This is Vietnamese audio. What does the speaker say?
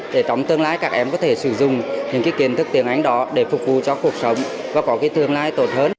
để trong tương lai các em có thể sử dụng những kiến thức tiếng anh đó để phục vụ cho cuộc sống và có cái tương lai tốt hơn